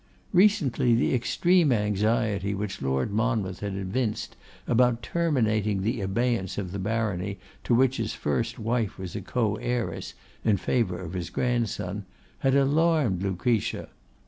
Recently the extreme anxiety which Lord Monmouth had evinced about terminating the abeyance of the barony to which his first wife was a co heiress in favour of his grandson, had alarmed Lucretia.